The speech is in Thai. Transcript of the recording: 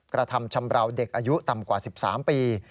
กระทำชำราวเด็กอายุต่ำกว่า๑๓ปี